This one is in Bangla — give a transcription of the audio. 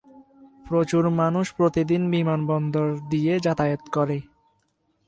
প্রচুর মানুষ প্রতিদিন বিমানবন্দর দিয়ে যাতায়াত করে।